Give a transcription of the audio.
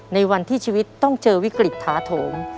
ในวันที่ชีวิตต้องเจอวิกฤตถาโถม